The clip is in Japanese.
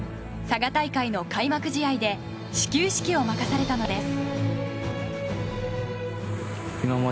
佐賀大会の開幕試合で始球式を任されたのです。